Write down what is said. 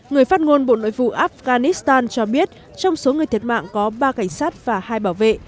người phát ngôn bộ nội vụ afghanistan cho biết trong số người thiệt mạng có ba cảnh sát và hai bảo vệ